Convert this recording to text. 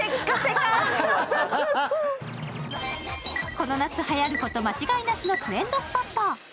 この夏はやること間違いなしのトレンドスポット。